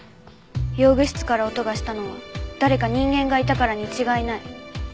用具室から音がしたのは誰か人間がいたからに違いない。